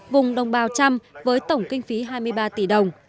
vùng đồng bào trăm với tổng kinh phí hai mươi ba tỷ đồng